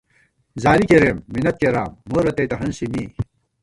زاری کېرېم مِنت کېرام، مو رتئ تہ ہنسی می